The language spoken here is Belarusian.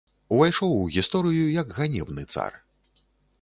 Увайшоў у гісторыю як ганебны цар.